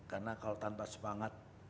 karena kalau tanpa semangat